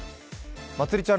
まつりちゃん